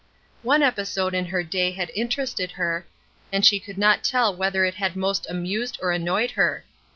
One episode in her day had interested her, and she could not tell whether it had most amused or annoyed her.